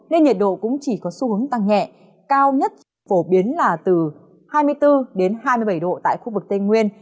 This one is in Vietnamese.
nên nhiệt độ cũng chỉ có xu hướng tăng nhẹ cao nhất phổ biến là từ hai mươi bốn đến hai mươi bảy độ tại khu vực tây nguyên